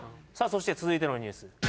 そして続いてのニュース